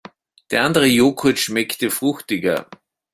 Der andere Joghurt schmeckte fruchtiger.